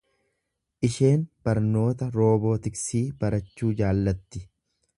Isheen barnoota roobootiksii barachuu jaallatti.